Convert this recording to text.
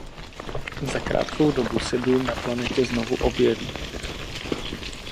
Za krátkou dobu se dům na planetě znovu objeví.